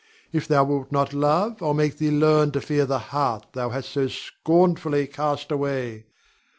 If thou wilt not love, I'll make thee learn to fear the heart thou hast so scornfully cast away.